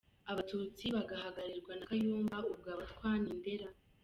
abatutsi bagahagararirwa na Kayumba, ubwo abatwa n i nde ra??